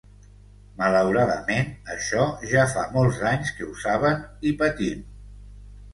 Malauradament, això ja fa molts anys que ho saben i patim.